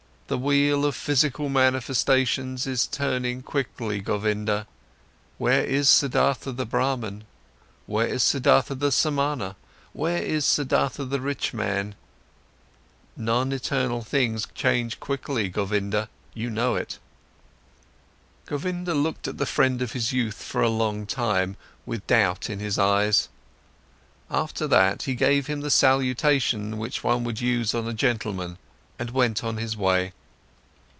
The wheel of physical manifestations is turning quickly, Govinda. Where is Siddhartha the Brahman? Where is Siddhartha the Samana? Where is Siddhartha the rich man? Non eternal things change quickly, Govinda, you know it." Govinda looked at the friend of his youth for a long time, with doubt in his eyes. After that, he gave him the salutation which one would use on a gentleman and went on his way.